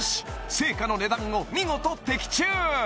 生花の値段を見事的中！